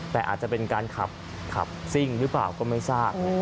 แต่อาจจะเป็นการขับขับซิ่งหรือเปล่าก็ไม่ทราบ